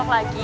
gak tau lagi